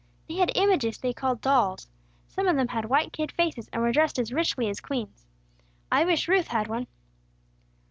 They had images they called dolls. Some of them had white kid faces, and were dressed as richly as queens. I wish Ruth had one."